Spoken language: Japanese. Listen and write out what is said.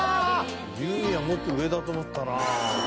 「ユーミンはもっと上だと思ったなあ」